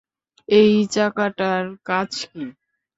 এই চাকাটার কাজ কী?